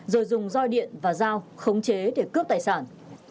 rồi dùng roi điện và dao khống chế để cướp tài sản